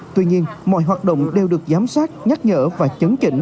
tuy nhiên mọi hoạt động đều được giám sát nhắc nhở và chấn chỉnh